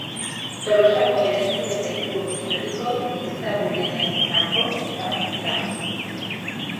Tolosako eraikin eta ikur herrikoi ezagunenetako bat da.